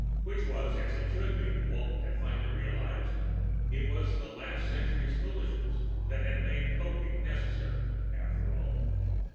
Which was as it should be, Walton had finally realized. It was the last century's foolishness that had made Popeek necessary, after all.